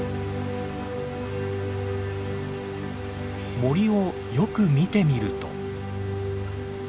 森をよく見てみると。